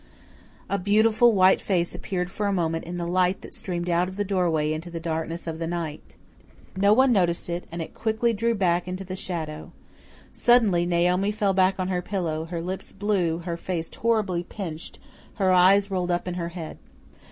A beautiful, white face appeared for a moment in the light that streamed out of the doorway into the darkness of the night. No one noticed it, and it quickly drew back into the shadow. Suddenly, Naomi fell back on her pillow, her lips blue, her face horribly pinched, her eyes rolled up in her head.